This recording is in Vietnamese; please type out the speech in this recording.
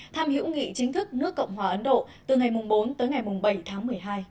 thăm hữu nghị chính thức nước cộng hòa ấn độ từ ngày bốn tới ngày bảy tháng một mươi hai